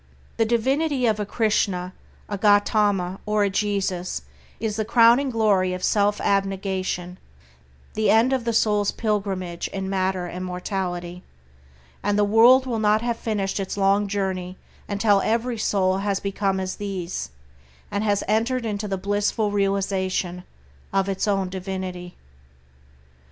The divinity of a Krishna, a Gautama, or a Jesus is the crowning glory of self abnegation, the end of the soul's pilgrimage in matter and mortality, and the world will not have finished its long journey until every soul has become as these, and has entered into the blissful realization of its own divinity.